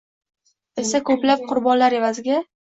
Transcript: esa ko‘plab qurbonlar evaziga